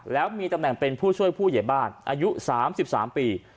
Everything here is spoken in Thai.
แล้วมีตำแหน่งเป็นผู้ช่วยผู้ใหญ่บ้านอายุ๓๓ปี